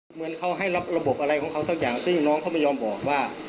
เหมือนเขาให้รับระบบอะไรของเขาสักอย่างซึ่งน้องเขาไม่ยอมบอกว่า